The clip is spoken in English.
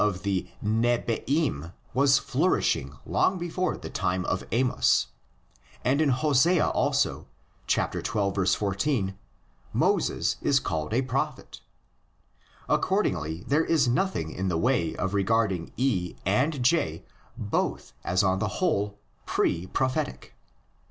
141 of the N*biim was flourishing long before the time of Amos, and in Hosea also, xii. 14, Moses is called a "Prophet." Accordingly there is nothing in the way of regarding E and J both as on the whole "pre Prophetic."